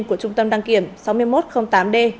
của trung tâm đăng kiểm sáu nghìn một trăm linh tám d